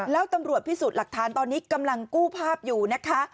แล้วตำรวจพิสูจน์หลักฐานตอนนี้กำลังกู้ภาพอยู่นะคะ